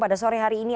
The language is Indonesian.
pada sore hari ini